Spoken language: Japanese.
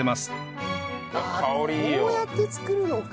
ああこうやって作るのか！